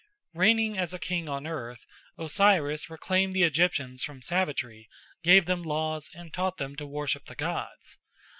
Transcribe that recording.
Reigning as a king on earth, Osiris reclaimed the Egyptians from savagery, gave them laws, and taught them to worship the gods.